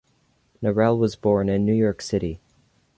Narell was born in New York City.